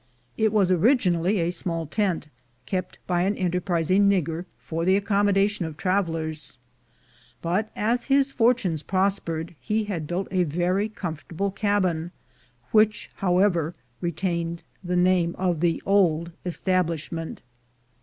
It was originally a small tent, kept by an enterprising nigger for the accommodation of travelers; but as his fortunes prospered, he had built a very comfortable cabin, which, however, retained the name of the old establishment.